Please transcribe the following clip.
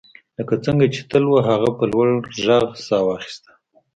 لکه څنګه چې تل وو هغه په لوړ غږ ساه واخیسته